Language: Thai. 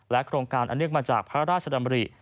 โครงการอันเนื่องมาจากพระราชดำริ